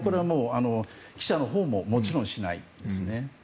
記者のほうももちろん、しないですね。